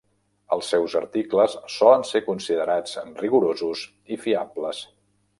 Els seus articles solen ser considerats rigorosos i fiables.